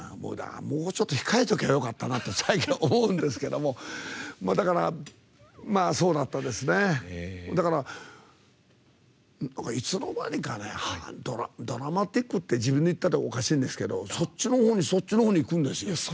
もうちょっと控えておけばよかったなって最近、思うんですけどだから、いつの間にかドラマチックって自分で言ったらおかしいんですけどそっちのほうにそっちのほうにいくんですよ。